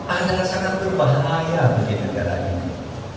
akan sangat berbahaya bagi negara ini